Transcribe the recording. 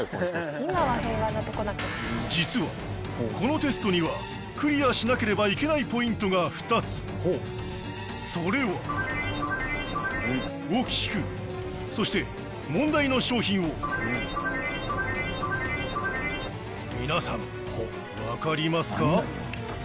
実はこのテストにはクリアしなければいけないポイントが２つそれは皆さんわかりますか？